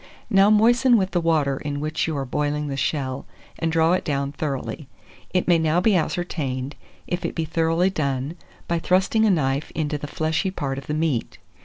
Now moisten with the water in which you are boiling the shell, and draw it down thoroughly. It may now be ascertained if it be thoroughly done by thrusting a knife into the fleshy part of the meat.